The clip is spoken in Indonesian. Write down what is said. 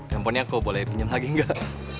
handphonenya kau boleh pinjam lagi enggak